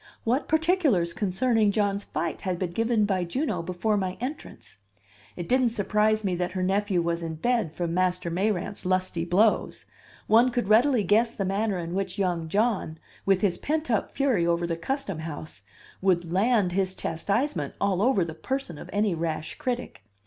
What particulars concerning John's fight had been given by Juno before my entrance? It didn't surprise me that her nephew was in bed from Master Mayrant's lusty blows. One could readily guess the manner in which young John, with his pent up fury over the custom house, would "land" his chastisement all over the person of any rash critic!